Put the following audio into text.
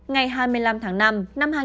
ngày hai mươi năm tháng năm năm hai nghìn bảy